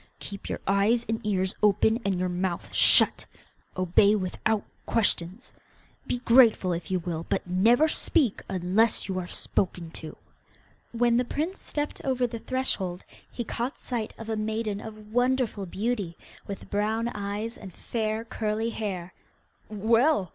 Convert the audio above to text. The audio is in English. Keep your eyes and ears open, and your mouth shut, obey without questions. Be grateful if you will, but never speak unless you are spoken to.' When the prince stepped over the threshold he caught sight of a maiden of wonderful beauty, with brown eyes and fair curly hair. 'Well!